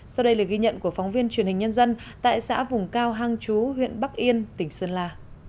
sau đây là ghi nhận của phóng viên truyền hình nhân dân tại xã vùng cao hang chú huyện bắc yên tỉnh sơn la